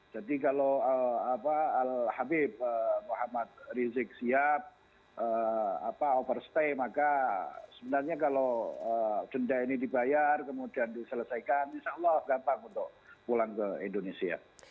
jadi kalau al habib muhammad rizik sihab overstay maka sebenarnya kalau denda ini dibayar kemudian diselesaikan insya allah gampang untuk pulang ke indonesia